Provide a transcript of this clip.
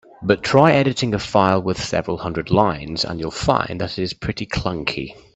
But try editing a file with several hundred lines, and you'll find that this is pretty clunky.